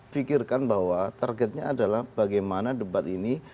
pikirkan bahwa targetnya adalah bagaimana debat ini